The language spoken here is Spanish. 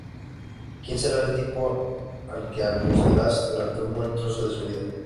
quién será el tipo al que angustiarás durante un buen trozo de su vida